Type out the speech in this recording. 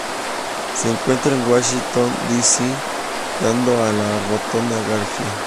Se encuentra en Washington D. C. dando a la Rotonda Garfield.